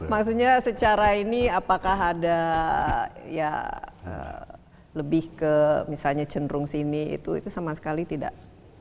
maksudnya secara ini apakah ada ya lebih ke misalnya cenderung sini itu sama sekali tidak